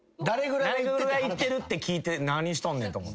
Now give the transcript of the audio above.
誰ぐらい行ってるって聞いて何しとんねんと。